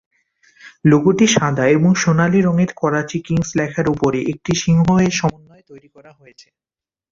লোগোটি সাদা এবং সোনালী রংয়ের করাচি কিংস লেখার উপরে একটি সিংহ এর সমন্বয়ে তৈরী করা হয়েছে।